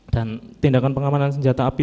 dan tindakan pengamanan senjata api